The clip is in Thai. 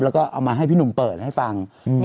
แล้วก็เอามาให้พี่หนุ่มเปิดให้ฟัง